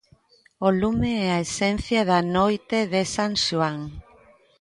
O lume é a esencia da noite de San Xoán.